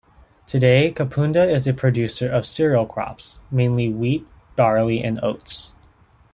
Today, Kapunda is a producer of cereal crops, mainly wheat, barley and oats.